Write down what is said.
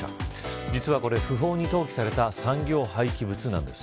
実はこれ、不法に投棄された産業廃棄物なんです。